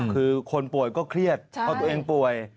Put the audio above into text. คือคนป่วยก็เครียดเพราะตัวเองป่วย